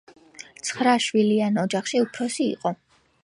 ცხრა შვილიან ოჯახში უფროსი იყო.